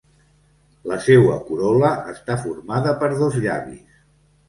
La seua corol·la està formada per dos llavis.